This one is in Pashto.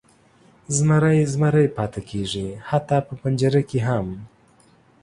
زمری زمری پاتې کیږي، حتی په پنجره کې هم.